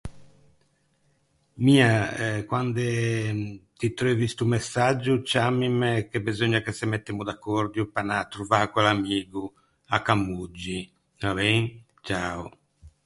Mia, quande ti treuvi sto messaggio ciammime che beseugna che se mettemmo d’accòrdio pe anâ à trovâ quell’amigo à Camoggi, va ben? Ciao.